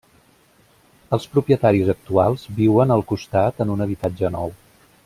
Els propietaris actuals viuen al costat en un habitatge nou.